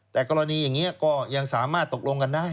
แต่กรณีอย่างนี้ก็ยังสามารถตกลงกันได้